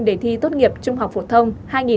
để thi tốt nghiệp trung học phổ thông hai nghìn hai mươi